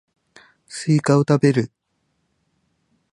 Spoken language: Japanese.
スイカを食べる